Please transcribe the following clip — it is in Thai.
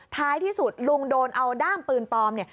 ท้ายที่สุดลุงโดนเอาด้ามปืนปลอมเนี่ย